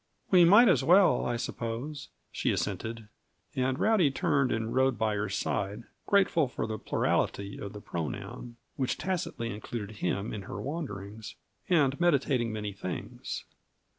"We might as well, I suppose," she assented; and Rowdy turned and rode by her side, grateful for the plurality of the pronoun which tacitly included him in her wanderings, and meditating many things.